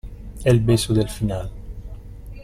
el beso del final.